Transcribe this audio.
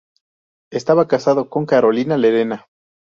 Estaba casado con Carolina Lerena.